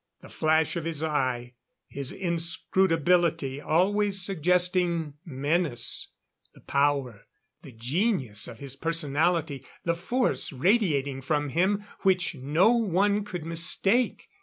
The flash of his eye; his inscrutability, always suggesting menace; the power, the genius of his personality the force radiating from him which no one could mistake.